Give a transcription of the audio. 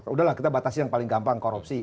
udahlah kita batasi yang paling gampang korupsi